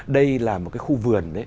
đây là một cái khu vườn